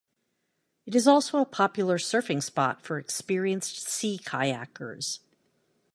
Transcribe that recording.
It is also a popular surfing spot for experienced Sea Kayakers.